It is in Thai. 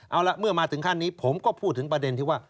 เอาละเมื่อมาถึงขั้นนี้ผมก็พูดถึงประเด็นที่ว่า